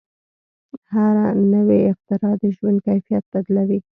هره نوې اختراع د ژوند کیفیت بدلوي.